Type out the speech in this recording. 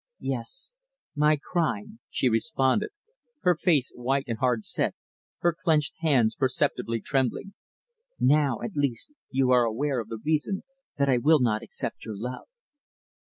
"Yes, my crime," she responded, her face white and hard set, her clenched hands perceptibly trembling. "Now at least you are aware of the reason that I will not accept your love.